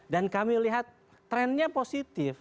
dan kami lihat trendnya positif